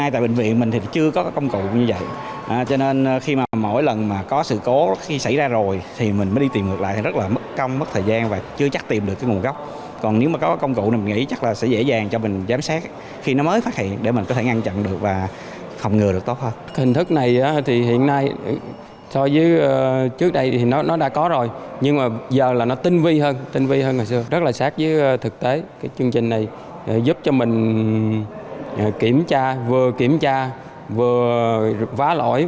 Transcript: thực tế chương trình này giúp cho mình kiểm tra vừa kiểm tra vừa phá lỗi